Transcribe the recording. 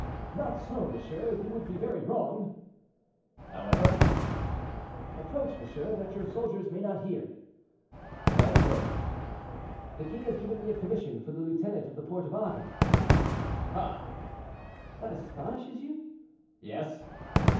"Not so, monsieur; you would be very wrong." "However—" "Approach, monsieur, that your soldiers may not hear." The man approached. "The king has given me a commission for the lieutenant of the Porte of Agen." "Ah!" "That astonishes you?" "Yes."